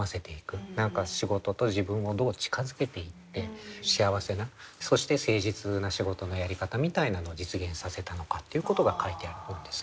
何か仕事と自分をどう近づけていって幸せなそして誠実な仕事のやり方みたいなのを実現させたのかっていうことが書いてある本ですね。